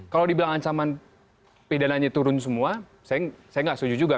kalau dibilang ancaman pidananya turun semua saya nggak setuju juga